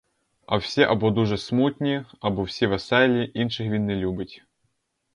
А всі або дуже смутні, або всі веселі, інших він не любить.